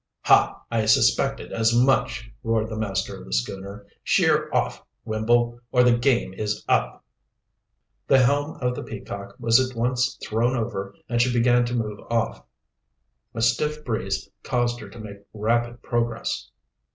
"Ha! I suspected as much!" roared the master of the schooner. "Sheer off, Wimble, or the game is up!" The helm of the Peacock was at once thrown over, and she began to move off. A stiff breeze caused her to make rapid progress.